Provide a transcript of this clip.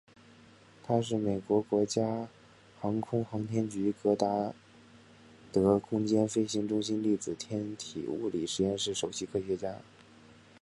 他是美国国家航空航天局戈达德空间飞行中心粒子天体物理实验室首席科学家。